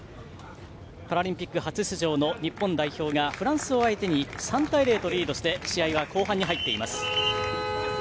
パラリンピック初出場の日本代表がフランスを相手に３対０とリードして試合は後半に入っています。